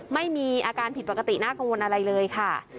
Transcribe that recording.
ไม่มีอาการผิดปกติน่ากังวลอะไรเลยค่ะ